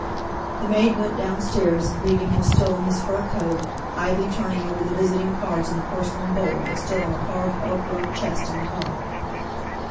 The maid went downstairs, leaving him still in his fur coat, idly turning over the visiting cards in the porcelain bowl that stood on the carved oak rug chest in the hall.